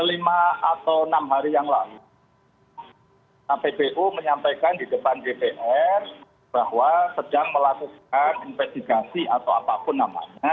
lima atau enam hari yang lalu kppu menyampaikan di depan dpr bahwa sedang melakukan investigasi atau apapun namanya